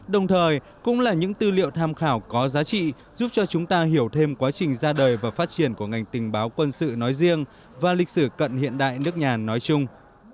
đồng thời cũng là những tư liệu tham khảo có giá trị giúp cho chúng ta hiểu thêm quá trình ra đời và phát triển của ngành tình báo quân sự nói riêng và lịch sử cận hiện đại nước nhà nói chung